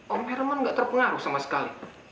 om irman nggak terpengaruh sama sekali